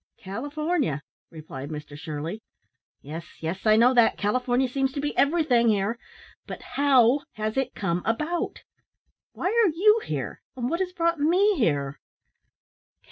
"California," replied Mr Shirley. "Yes, yes; I know that. California seems to be everything here. But how has it come about? Why are you here, and what has brought me here?"